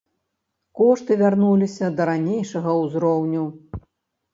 Кошты вярнуліся да ранейшага ўзроўню.